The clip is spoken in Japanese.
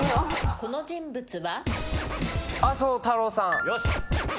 この人物は？